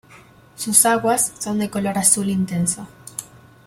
Sus aguas son de color azul intenso.